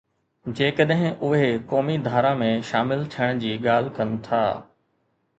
جيڪڏهن اُهي قومي ڌارا ۾ شامل ٿيڻ جي ڳالهه ڪن ٿا.